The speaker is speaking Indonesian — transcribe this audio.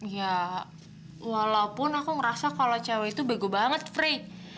ya walaupun aku merasa kalau cewek itu bego banget free